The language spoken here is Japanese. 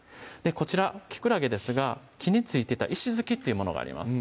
こちらきくらげですが木に付いてた石突きというものがあります